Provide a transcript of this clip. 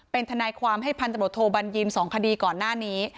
เป็นทนายความให้ทนโทบัญยิน๒คดีก่อนนะคะ